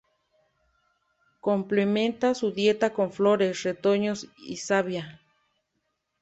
Complementa su dieta con flores, retoños y savia.